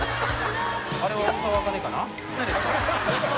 「あれは大沢あかねかな？」